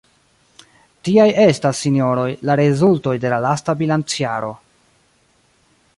Tiaj estas, sinjoroj, la rezultoj de la lasta bilancjaro.